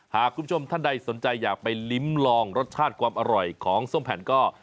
หากคุณผู้ชมท่านใดสนใจอยากไปลิ้มลองรสชาติความอร่อยของส้มแผ่นก็